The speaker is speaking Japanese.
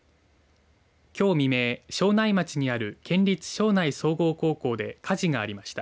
きょう未明、庄内町にある県立庄内総合高校で火事がありました。